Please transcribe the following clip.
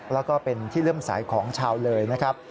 แล้วก็เป็นที่เริ่มสายของชาวเลยนะครับ